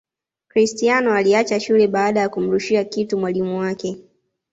Cristiano aliacha shule baada ya kumrushia kitu mwalimu wake